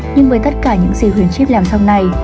nhưng với tất cả những gì huyền chíp làm sau này